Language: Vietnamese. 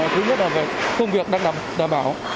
thứ nhất là về công việc đang đảm bảo